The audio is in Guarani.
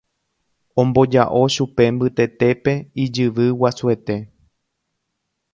Omboja'o chupe mbytetépe ijyvy guasuete.